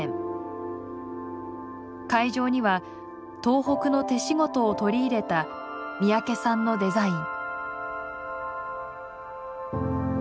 会場には東北の手仕事を取り入れた三宅さんのデザイン。